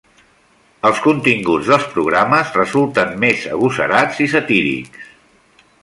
Els continguts dels programes resulten més agosarats i satírics.